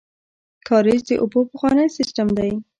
کاریز د اوبو پخوانی سیستم دی